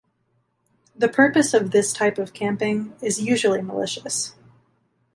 The purpose of this type of camping is usually malicious.